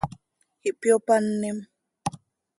Ihpyopanim.